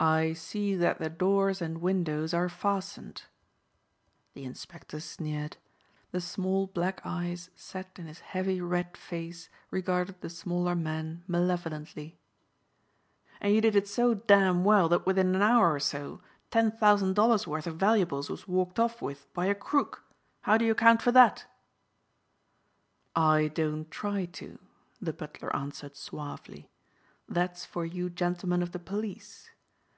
"I see that the doors and windows are fastened." The inspector sneered. The small black eyes set in his heavy red face regarded the smaller man malevolently. "And you did it so damn well that within an hour or so, ten thousand dollars' worth of valuables was walked off with by a crook! How do you account for that?" "I don't try to," the butler answered suavely, "that's for you gentlemen of the police.